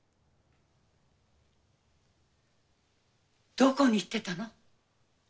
どこに行ってたの？